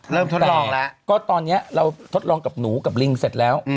ทดลองแล้วก็ตอนนี้เราทดลองกับหนูกับลิงเสร็จแล้ว